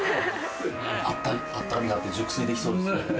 温かみがあって熟睡できそうですね。